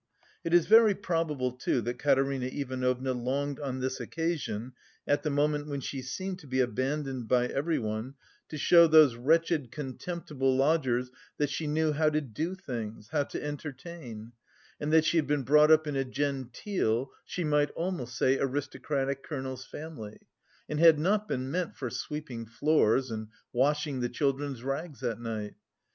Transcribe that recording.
It is very probable, too, that Katerina Ivanovna longed on this occasion, at the moment when she seemed to be abandoned by everyone, to show those "wretched contemptible lodgers" that she knew "how to do things, how to entertain" and that she had been brought up "in a genteel, she might almost say aristocratic colonel's family" and had not been meant for sweeping floors and washing the children's rags at night.